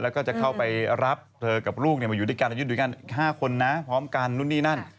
แล้วก็จะเข้าไปรับเธอกับลูกเนี่ยมาอยู่ด้วยกัน๕คนนะพร้อมกันนู่นนี่นั่น